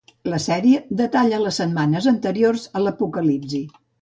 La sèrie detalla les setmanes anteriors a l'apocalipsi.